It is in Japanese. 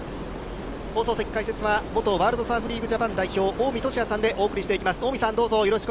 放送席、解説は元ワールドサーフィンジャパン代表、近江俊哉さんでお送りよろしくお願いします。